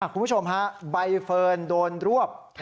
คุณผู้ชมฮะใบเฟิร์นโดนรวบ